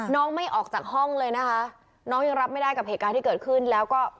ไม่ออกจากห้องเลยนะคะน้องยังรับไม่ได้กับเหตุการณ์ที่เกิดขึ้นแล้วก็